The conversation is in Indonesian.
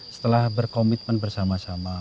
setelah berkomitmen bersama sama